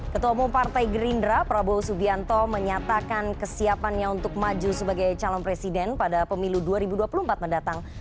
ketua umum partai gerindra prabowo subianto menyatakan kesiapannya untuk maju sebagai calon presiden pada pemilu dua ribu dua puluh empat mendatang